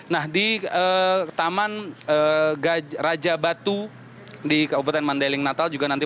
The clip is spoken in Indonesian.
nah di taman raja batu di kabupaten mandailing natal juga nanti